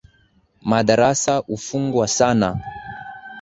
Madarasa hufungwa sana.